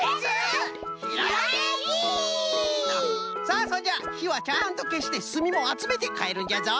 さあそんじゃひはちゃんとけしてすみもあつめてかえるんじゃぞ。